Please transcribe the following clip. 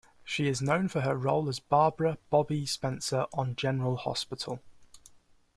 She is known for her role as Barbara "Bobbie" Spencer on "General Hospital".